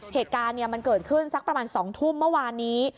เหตุการณ์มันเกิดขึ้นสักประมาณ๒ทุ่มเมื่อวานนี้